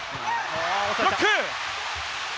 ブロック！